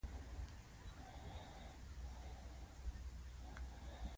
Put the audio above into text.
چې پر يوه ستر متحرک او حاکم ځواک بدل شي.